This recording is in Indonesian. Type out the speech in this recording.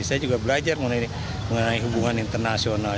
saya juga belajar mengenai hubungan internasional